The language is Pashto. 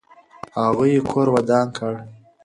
هغوی یې کور ودان کړ.